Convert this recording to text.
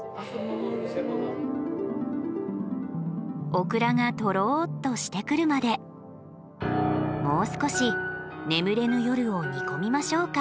オクラがとろっとしてくるまでもう少し眠れぬ夜を煮込みましょうか。